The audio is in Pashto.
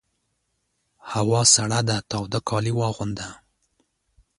هوا سړه ده تاوده کالي واغونده!